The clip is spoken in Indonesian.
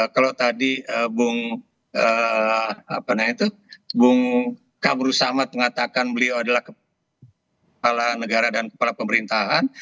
kalau tadi bung kabru samad mengatakan beliau adalah kepala negara dan kepala pemerintahan